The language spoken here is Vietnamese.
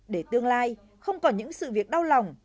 để tương lai không còn những sự việc đau lòng